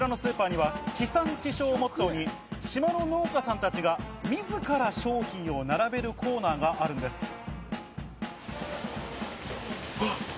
こちらのスーパーには地産地消をモットーに島の農家さんたちが自ら商品を並べるコーナーがあるんです。